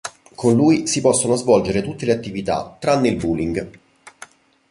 Con lui si possono svolgere tutte le attività tranne il "Bowling".